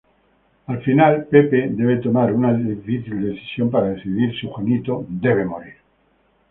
Al final Scott debe tomar una difícil decisión para decidir si Tokai debe morir.